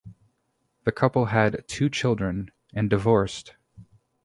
The couple had two children and divorced.